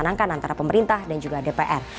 menyenangkan antara pemerintah dan juga dpr